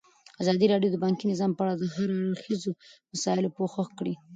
ازادي راډیو د بانکي نظام په اړه د هر اړخیزو مسایلو پوښښ کړی.